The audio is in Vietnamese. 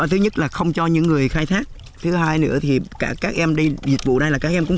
thứ nhất là không cho những người khai thác thứ hai nữa thì các em đi dịch vụ này là các em cũng